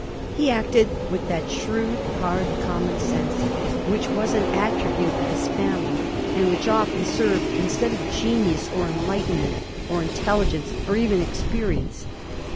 He acted with that shrewd, hard common sense which was an attribute of his fSEonily, and which often served instead of genius or enlightenment or intelligence, or even experience.